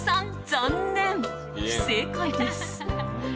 残念、不正解です。